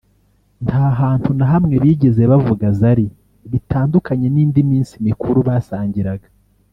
nta hantu na hamwe bigeze bavuga Zari bitandukanye n’indi minsi mikuru basangiraga